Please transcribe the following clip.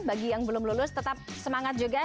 bagi yang belum lulus tetap semangat juga